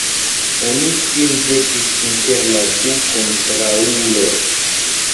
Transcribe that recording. Oni sin ĵetis inter la du kontraŭuloj.